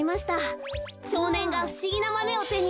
しょうねんがふしぎなマメをてにいれて。